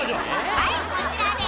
はいこちらです。